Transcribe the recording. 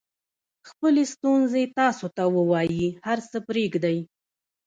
خپلې ستونزې تاسو ته ووایي هر څه پرېږدئ.